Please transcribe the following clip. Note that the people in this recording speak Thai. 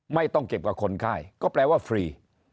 ไม่ต้องเก็บกับคนไข้ก็แปลว่าฟรี